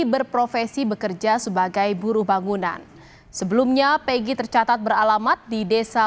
berprofesi bekerja sebagai buru bangunan sebelumnya peggy tercatat beralamat di desa